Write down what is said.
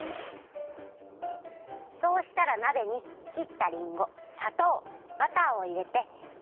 そうしたらなべにきったりんごさとうバターをいれて。